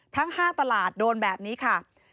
ทั้ง๕ตลาดโดนแบบนี้ค่ะ